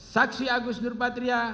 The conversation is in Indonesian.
saksi agus nurpatria